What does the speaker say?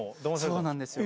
そうなんですよ。